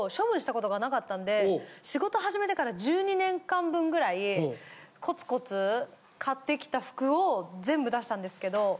仕事始めてから１２年間分ぐらいコツコツ買ってきた服を全部出したんですけど。